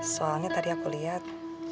soalnya tadi aku liat